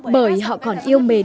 bởi họ còn yêu mến